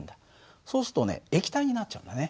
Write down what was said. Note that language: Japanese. そうするとね液体になっちゃうんだね。